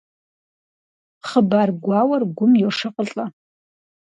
Хъыбар гуауэр гум йошыкъылӀэ.